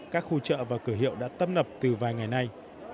các khu chợ và cửa hiệu đã tấp nập từ vài ngày nay